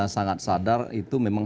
sangat sadar itu memang